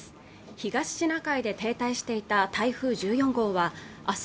東シナ海で停滞していた台風１４号はあす